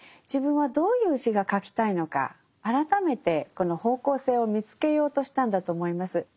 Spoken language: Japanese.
自分はどういう詩が書きたいのか改めてこの方向性を見つけようとしたんだと思います。